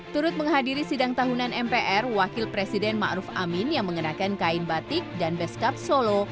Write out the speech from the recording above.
terut menghadiri sidang tahunan mpr wakil presiden ma'ruf amin yang mengenakan kain batik dan beskap solo